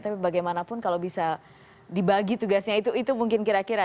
tapi bagaimanapun kalau bisa dibagi tugasnya itu itu mungkin kira kira